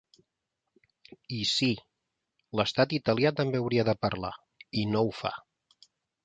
I sí, l’estat italià també hauria de parlar i no ho fa.